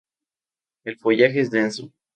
El follaje es denso.